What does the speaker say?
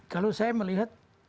kalau saya melihat